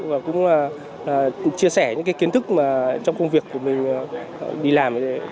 và cũng là chia sẻ những cái kiến thức mà trong công việc của mình đi làm